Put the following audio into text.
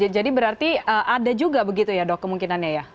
jadi berarti ada juga begitu ya dok kemungkinannya ya